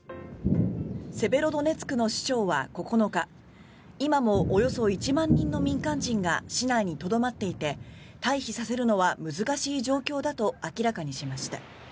セベロドネツクの市長は９日今もおよそ１万人の民間人が市内にとどまっていて退避させるのは難しい状況だと明らかにしました。